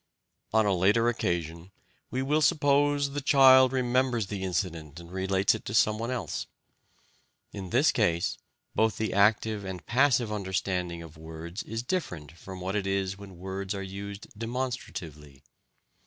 On a later occasion, we will suppose, the child remembers the incident and relates it to someone else. In this case, both the active and passive understanding of words is different from what it is when words are used demonstratively.